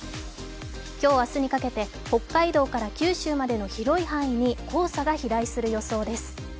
今日、明日にかけて北海道から九州までの広い範囲に黄砂が飛来する予想です。